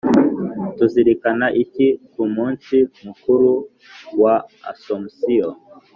tuzirikana iki ku munsi mukuru wa asomusiyo